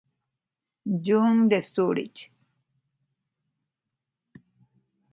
Jung de Zúrich.